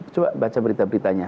coba baca berita beritanya